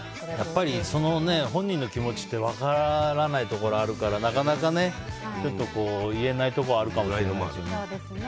本人の気持ちは分からないところがあるからなかなかねちょっと言えないところはあるかもしれないですね。